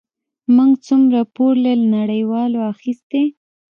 موږ څومره پور له نړیوالو اخیستی؟